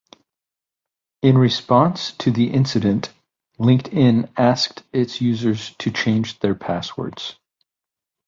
In response to the incident, LinkedIn asked its users to change their passwords.